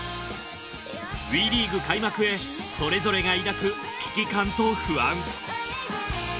ＷＥリーグ開幕へそれぞれが抱く危機感と不安。